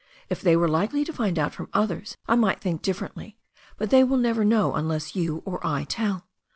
If they were likely to find out from others, I might think differently, but they will never know unless you or I tell.